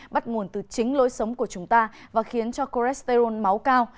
bắt nguồn từ chính lối sống của chúng ta và khiến cholesterol máu cao